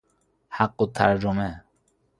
حق الترجمه